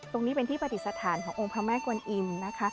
ตรงนี้เป็นที่ปฏิสถานขององค์พระแม่กวนอิมนะคะ